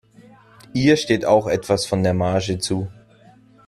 Ihr steht auch etwas von der Marge zu.